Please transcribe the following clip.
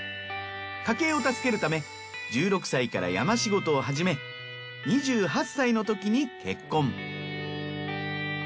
家計を助けるため１６歳から山仕事を始め２８歳のときに結婚。